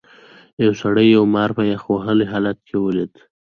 یو سړي یو مار په یخ وهلي حالت کې ولید.